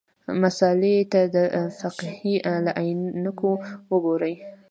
مسألې ته د فقهې له عینکو وګورو.